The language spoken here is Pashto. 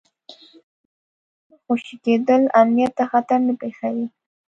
د مسلمانانو خوشي کېدل امنیت ته خطر نه پېښوي.